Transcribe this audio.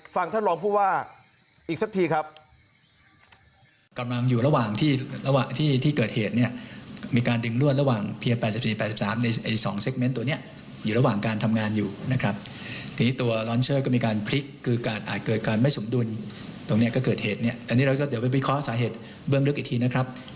ท่านรองผู้ว่าอีกสักทีครับ